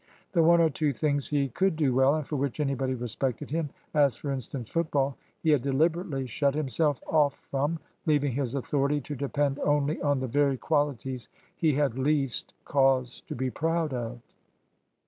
The one or two things he could do well, and for which anybody respected him as, for instance, football he had deliberately shut himself off from, leaving his authority to depend only on the very qualities he had least cause to be proud of.